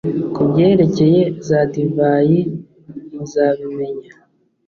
ku byerekeye za divayi muzabimenya